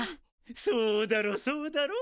そうだろうそうだろう？